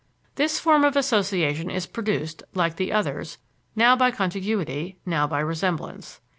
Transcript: This form of association is produced, like the others, now by contiguity, now by resemblance.